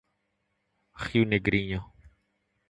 Rio Negrinho